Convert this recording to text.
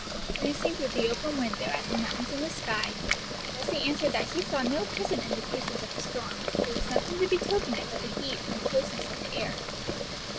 Glancing through the open window at the mountains and the sky, Elsie answered that she saw no present indications of a storm; there was nothing to betoken it but the heat and closeness of the air.